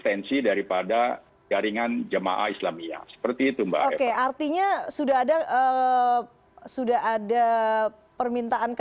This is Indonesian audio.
terima kasih pak